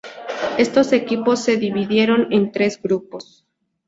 Estos equipos se dividieron en tres grupos.